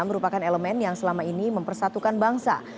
merupakan elemen yang selama ini mempersatukan bangsa